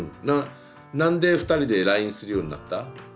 何で２人でＬＩＮＥするようになった？